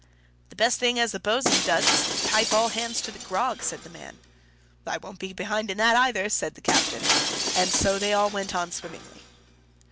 "The best thing as the bo'san does is to pipe all hands to grog," said the man. "I won't be behind in that either," said the captain; and so they all went on swimmingly.